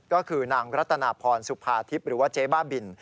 ก็คือนางรัตนาพรสุภาทิพย์หรือว่าเจ๊บ้าบิน